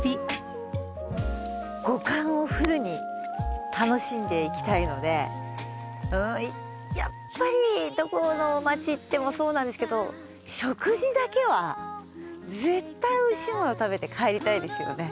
五感をフルに楽しんでいきたいのでやっぱりどこの街行ってもそうなんですけど食事だけは絶対おいしい物食べて帰りたいですよね。